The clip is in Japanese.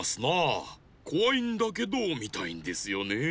こわいんだけどみたいんですよねえ。